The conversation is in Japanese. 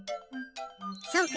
そうか！